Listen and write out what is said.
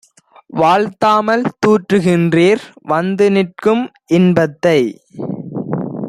வாழ்த்தாமல் தூற்றுகின்றீர் வந்துநிற்கும் இன்பத்தை!